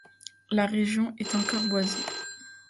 La région est encore boisée.